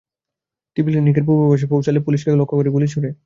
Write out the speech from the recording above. TB ক্লিনিকের পূর্বপাশে পৌঁছালে শাওনের সঙ্গীরা পুলিশকে লক্ষ্য করে গুলি ছোড়ে।